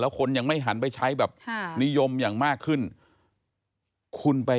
แล้วคนยังไม่หันไปใช้แบบนิยมอย่างมากขึ้น